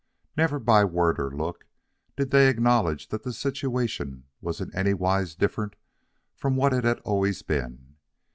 Never, by word or look, did they acknowledge that the situation was in any wise different from what it had always been.